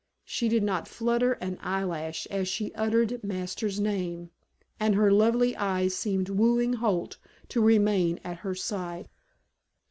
She did not flutter an eyelash as she uttered Masters' name, and her lovely eyes seemed wooing Holt to remain at her side.